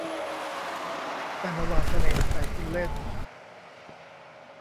แต่มาหว่านเสน่ห์ใส่คุณเล่น